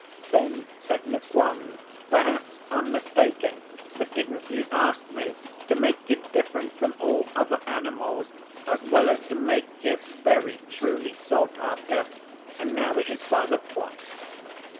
Then said Nqong, 'Perhaps I'm mistaken, but didn't you ask me to make you different from all other animals, as well as to make you very truly sought after? And now it is five o'clock.